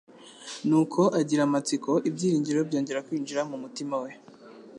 Nuko agira amatsiko, ibyiringiro byongera kwinjira mu mutima we.